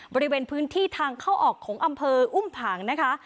บริเวณพื้นที่ทางเข้าออกของอำเภออุ้มผางนะคะ